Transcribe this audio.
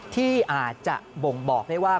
ที่อาจจะบ่งบอกได้ว่า